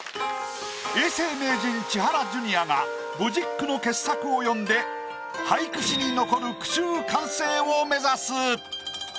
永世名人千原ジュニアが５０句の傑作を詠んで俳句史に残る句集完成を目指す。